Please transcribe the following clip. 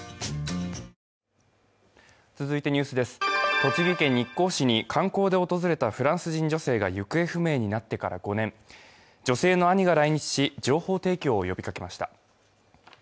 栃木県日光市に観光で訪れたフランス人女性が行方不明になってから５年、女性の兄が来日し情報提供を呼びかけました。